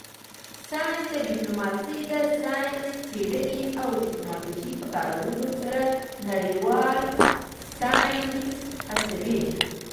ساینس ډیپلوماسي د ساینسي څیړنې او ټیکنالوژۍ په کارولو سره نړیوال ساینس هڅوي